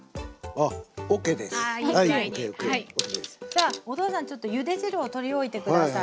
じゃお父さんちょっとゆで汁をとりおいて下さい。